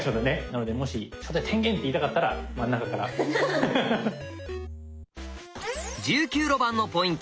なのでもし「初手天元」と言いたかったら真ん中からハハッ。